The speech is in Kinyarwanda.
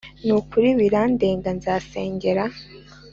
nukuri birandenga nkazengera